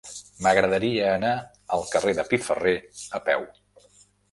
M'agradaria anar al carrer de Piferrer a peu.